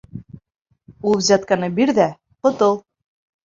Ул взятканы бир ҙә ҡотол.